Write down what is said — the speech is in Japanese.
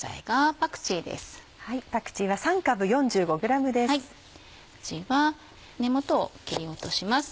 パクチーは根元を切り落とします。